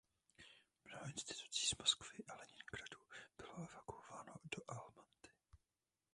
Mnoho institucí z Moskvy a Leningradu bylo evakuováno do Almaty.